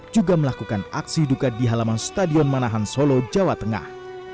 juga melakukan aksi duka di halaman stadion manahan solo jawa tengah